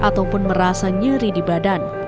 ataupun merasa nyeri di badan